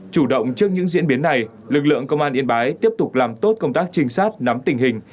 chủ động trước những diễn biến này lực lượng công an yên bái tiếp tục làm tốt công tác trinh sát nắm tình hình